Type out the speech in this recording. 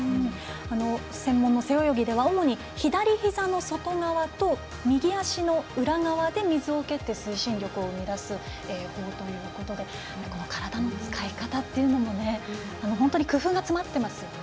専門の背泳ぎでは主に左ひざの外側と右足の裏側で、水を蹴って推進力を生み出す泳法ということで体の使い方というのも本当に工夫が詰まってますよね。